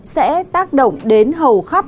sẽ tác động đến hầu khắp